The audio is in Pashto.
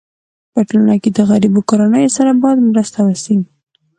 په ټولنه کي د غریبو کورنيو سره باید مرسته وسي.